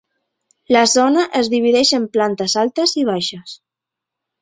La zona es divideix en plantes altes i baixes.